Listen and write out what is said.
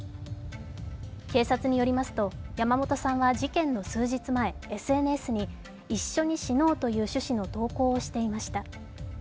警察によりますと、山本さんは事件の数日前ＳＮＳに「一緒に死のう」という趣旨の投稿をしていました。